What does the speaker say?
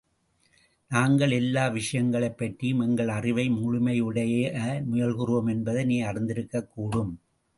நாங்கள் எல்லா விஷயங்களைப் பற்றியும் எங்கள் அறிவை முழுமையடைய முயல்கிறோம் என்பதை நீ அறிந்திருக்கக்கூடும்.